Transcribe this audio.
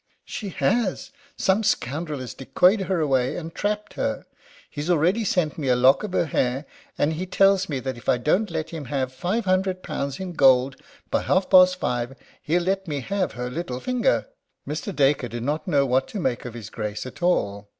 "She has! Some scoundrel has decoyed her away, and trapped her. He's already sent me a lock of her hair, and he tells me that if I don't let him have five hundred pounds in gold by half past five he'll let me have her little finger." Mr. Dacre did not know what to make of his Grace at all.